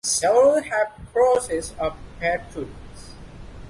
Several have porches or patios.